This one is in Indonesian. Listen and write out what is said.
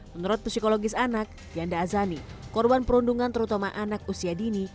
menurut psikologis anak yanda azani korban perundungan terutama anak usia dini